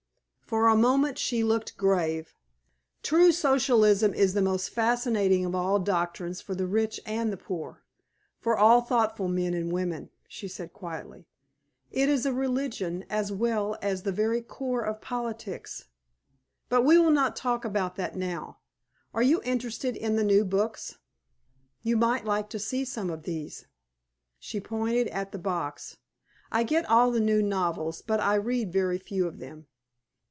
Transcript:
For a moment she looked grave. "True Socialism is the most fascinating of all doctrines for the rich and the poor, for all thoughtful men and women," she said, quietly. "It is a religion as well as the very core of politics. But we will not talk about that now. Are you interested in the new books? You might like to see some of these." She pointed at the box. "I get all the new novels, but I read very few of them."